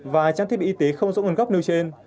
và trang thiết bị y tế không rõ nguồn gốc nêu trên